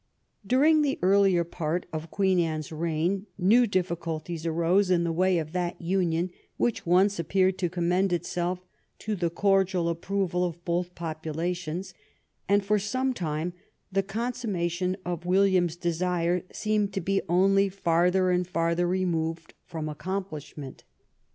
During the earlier part of Queen Anne's reign new difficulties arose in the way of that union which once appeared to commend itself to the cordial approval of both populations, and for some time the consummation of William's desire seemed to be only farther and farther removed from accomplishment.